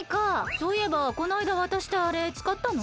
そういえばこないだわたしたあれつかったの？